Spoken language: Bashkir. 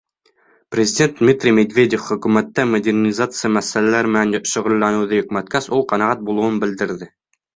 Президент Дмитрий Медведев Хөкүмәттә модернизация мәсьәләләре менән шөғөлләнеүҙе йөкмәткәс, ул ҡәнәғәт булыуын белдерҙе.